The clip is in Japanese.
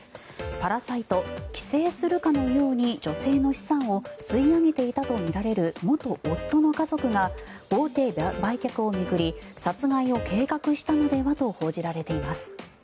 パラサイト、寄生するかのように女性の資産を吸い上げていたとみられる元夫の家族が豪邸売却を巡り殺害を計画したのではと報じられています。